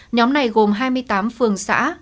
nhóm này gồm hai mươi tám phường xã